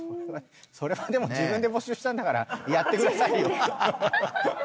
それはでも自分で募集したんだからやってくださいよ。